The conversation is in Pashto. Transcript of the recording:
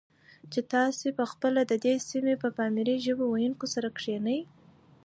چې تاسې په خپله د دې سیمې د پامیري ژبو ویونکو سره کښېنئ،